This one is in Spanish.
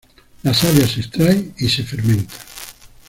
La savia se extrae y se fermenta.